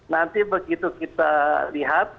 nanti begitu kita lihat